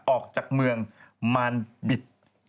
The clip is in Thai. ออกจากเมืองมานบิต